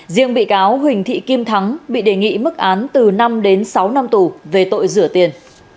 riêng bị cáo huỳnh thị kim thắng bị đề nghị mức án từ năm đến sáu năm tù về tội rửa tiền